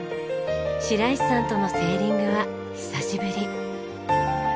白石さんとのセーリングは久しぶり。